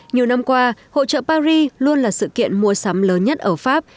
nhiều năm qua hộ trợ paris luôn là sự kiện mua sắm lớn nhất ở pháp